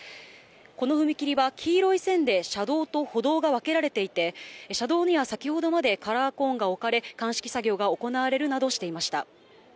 この踏切は黄色い線で車道と歩道が分けられていて、車道には先ほどまでカラーコーンが置かれ、鑑識作業が行われるなどしていました。